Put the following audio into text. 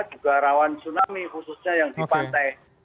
juga rawan tsunami khususnya yang di pantai